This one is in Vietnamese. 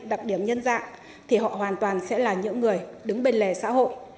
đặc điểm nhân dạng thì họ hoàn toàn sẽ là những người đứng bên lề xã hội